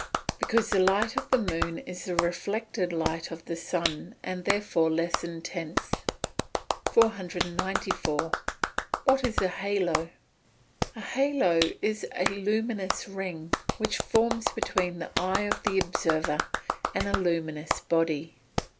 _ Because the light of the moon is the reflected light of the sun, and is therefore less intense. 494. What is a halo? A halo is a luminous ring, which forms between the eye of the observer and a luminous body.